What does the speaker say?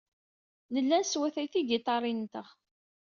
Nella neswatay tigiṭarin-nteɣ.